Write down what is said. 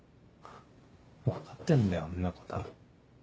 分かってんだよんなことは。